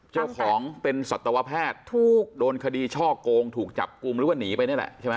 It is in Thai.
เจ้าของเป็นสัตวแพทย์ถูกโดนคดีช่อโกงถูกจับกลุ่มหรือว่าหนีไปนี่แหละใช่ไหม